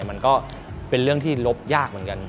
มันก็เป็นเรื่องที่ลบยากเหมือนกัน